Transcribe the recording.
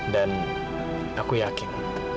dan aku yakin